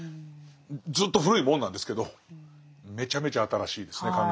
ずっと古いもんなんですけどめちゃめちゃ新しいですね考え方が。